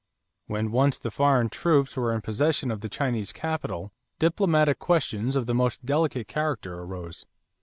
When once the foreign troops were in possession of the Chinese capital, diplomatic questions of the most delicate character arose.